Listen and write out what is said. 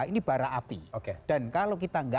ini bara api dan kalau kita nggak